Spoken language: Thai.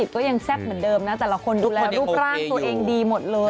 ก็ยังแซ่บเหมือนเดิมนะแต่ละคนดูแลรูปร่างตัวเองดีหมดเลย